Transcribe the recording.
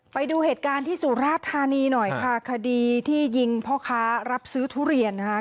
ไปดูเหตุการณ์ที่สุราธานีหน่อยค่ะคดีที่ยิงพ่อค้ารับซื้อทุเรียนนะคะ